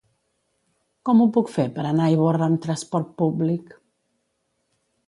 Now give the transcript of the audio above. Com ho puc fer per anar a Ivorra amb trasport públic?